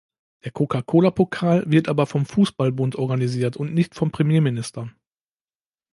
Der Coca-Cola Pokal wird aber vom Fußballbund organisiert und nicht vom Premierminister.